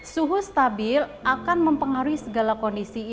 suhu stabil akan mempengaruhi segala kondisi